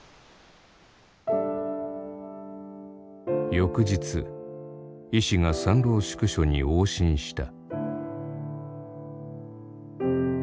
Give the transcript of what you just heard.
翌日医師が参籠宿所に往診した。